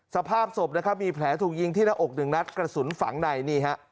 สภาพศพนะครับมีแผลถูกยิงที่หน้าอกหนึ่งนัดกระสุนฝังในนี่ฮะ